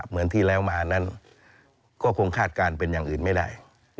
เหมือนที่แล้วมานั้นก็คงคาดการณ์เป็นอย่างอื่นไม่ได้